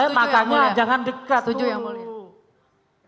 makanya jangan dekat dulu